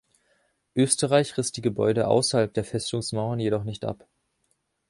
Österreich riss die Gebäude außerhalb der Festungsmauern jedoch nicht ab.